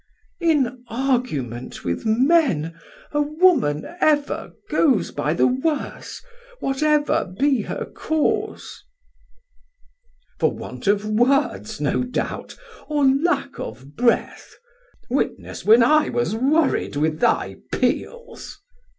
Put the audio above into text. Dal: In argument with men a woman ever Goes by the worse, whatever be her cause. Sam: For want of words no doubt, or lack of breath, Witness when I was worried with thy peals.